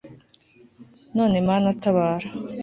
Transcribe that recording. none mana tabara